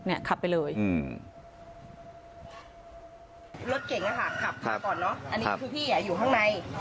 รถเก่งเอ่อะค่ะขับก่อนเนอะคือพี่อยู่ข้างใน